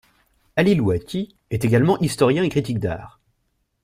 Ali Louati est également historien et critique d'art.